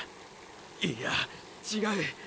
いや違う。